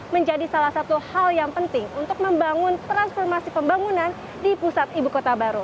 menjadi salah satu hal yang penting untuk membangun transformasi pembangunan di pusat ibu kota baru